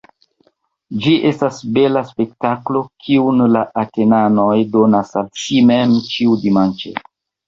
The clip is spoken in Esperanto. Ĝi estas bela spektaklo, kiun la Atenanoj donas al si mem ĉiudimanĉe.